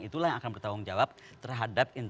itulah yang akan bertanggung jawab terhadap